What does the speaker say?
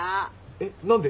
えっ何で？